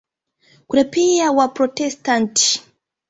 Kuna pia Waprotestanti.